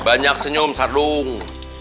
banyak senyum sadung